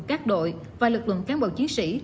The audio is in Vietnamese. các đội và lực lượng cán bộ chiến sĩ